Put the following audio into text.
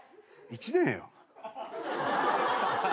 １年よ？